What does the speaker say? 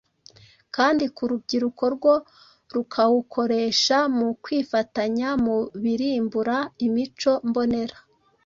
kandi ku rubyiruko rwo rukawukoresha mu kwifatanya mu birimbura imico mbonera.